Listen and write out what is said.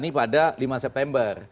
ini pada lima september